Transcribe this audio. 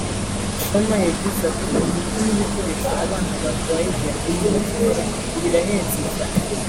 Gishoma yagize ati”imiti n’ibikoresho abana barwaye diyabete bakenera birahenze cyane